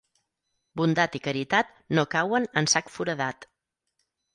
Bondat i caritat no cauen en sac foradat.